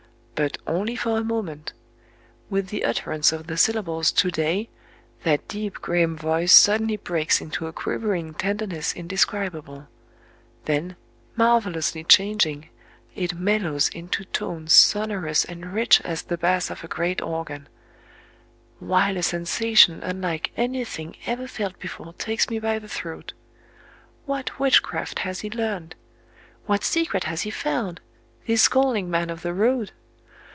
But only for a moment!... With the utterance of the syllables "to day," that deep, grim voice suddenly breaks into a quivering tenderness indescribable;—then, marvelously changing, it mellows into tones sonorous and rich as the bass of a great organ,—while a sensation unlike anything ever felt before takes me by the throat... What witchcraft has he learned? what secret has he found—this scowling man of the road?...